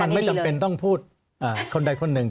ไม่จำเป็นต้องพูดคนใดคนหนึ่ง